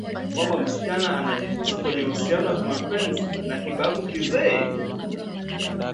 kwamba msichana anajitosa kwenye uhusiano wa kimapenzi na kibabu kizee